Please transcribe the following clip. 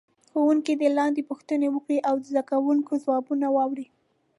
ښوونکی دې لاندې پوښتنه وکړي او د زده کوونکو ځوابونه واوري.